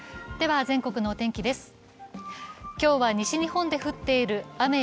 では全国のお天気です。